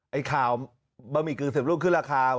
ไอ้ข่าวบะหมี่กือ๑๐รูปคือราคา